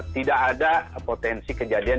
tidak ada potensi kejadian